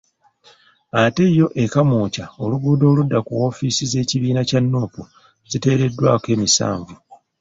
Ate yo e Kamwokya oluguudo Oludda ku woofiisi z'ekibiina kya Nuupu ziteereddwako emisanvu